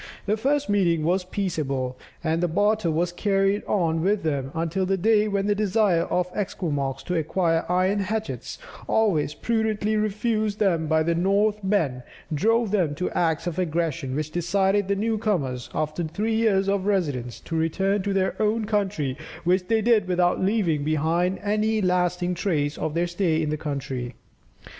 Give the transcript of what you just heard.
The first meeting was peaceable, and barter was carried on with them until the day when the desire of the Esquimaux to acquire iron hatchets, always prudently refused them by the Northmen, drove them to acts of aggression, which decided the new comers, after three years of residence, to return to their own country, which they did without leaving behind them any lasting trace of their stay in the country.